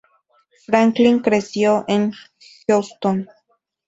Franklin creció en Houston.